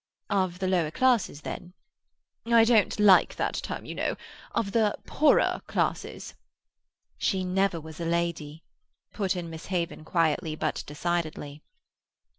"Of the lower classes, then?" "I don't like that term, you know. Of the poorer classes." "She never was a lady," put in Miss Haven quietly but decidedly.